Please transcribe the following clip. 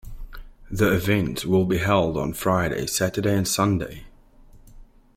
The events will be held on Friday, Saturday and Sunday.